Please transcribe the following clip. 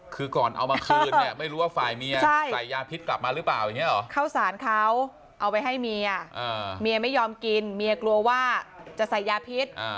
คือก่อนเอามาคืนเนี่ยไม่รู้ว่าฝ่ายเมียใส่ยาพิษกลับมาหรือเปล่าอย่างนี้หรอข้าวสารเขาเอาไปให้เมียเมียไม่ยอมกินเมียกลัวว่าจะใส่ยาพิษ